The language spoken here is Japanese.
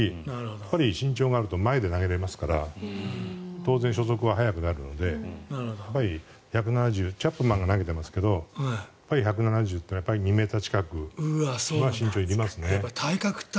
やっぱり身長があると前で投げれますから当然、初速は速くなるので１７０チャップマンが投げたんですが１７０ｋｍは２ｍ近くは身長がいりますね。